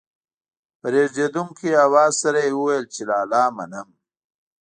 په رېږېدونکي اواز سره يې وويل چې لالا منم.